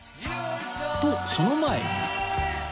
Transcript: とその前に